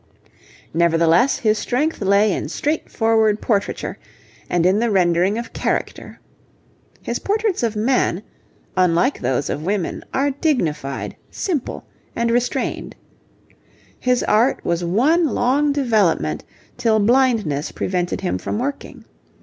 Nevertheless, his strength lay in straightforward portraiture, and in the rendering of character. His portraits of men, unlike those of women, are dignified, simple, and restrained. His art was one long development till blindness prevented him from working.